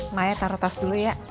maya taruh tas dulu ya